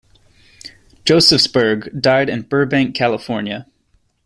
Josefsberg died in Burbank, California.